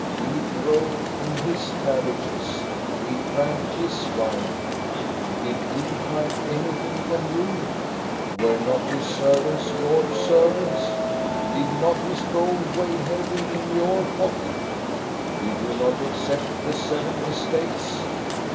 We drove in his carriages, we drank his wine. Did we hide anything from you.? Were not his servants your servants.? Did not his gold weigh heavy in your pocket.? Did you not accept the seven estates?